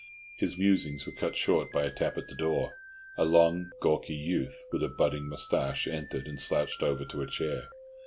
His musings were cut short by a tap at the door; a long, gawky youth, with a budding moustache, entered and slouched over to a chair.